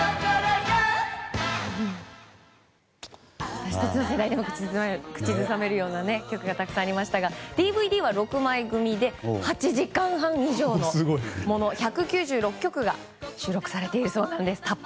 私たちの世代でも口ずさめるような曲がたくさんありましたがＤＶＤは６枚組みで８時間半以上のもの１９６曲が収録されているそうなんです。